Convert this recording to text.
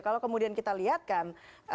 kalau kemudian kita lihat kan